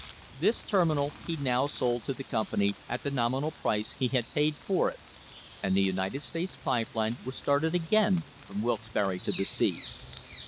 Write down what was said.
This terminal he now sold to the company at the nominal price he had paid for it, and the United States Pipe Line was started again from Wilkesbarre to the sea.